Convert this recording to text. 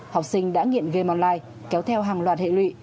học sinh đã nghiện gam online kéo theo hàng loạt hệ lụy